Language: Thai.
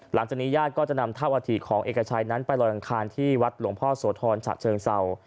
หลังจากนี้ญาติก็จะนำเท่าอาถิของเอกชัยนั้นไปลอยอังคารที่วัดหลวงพ่อโสธรฉะเชิงเศร้า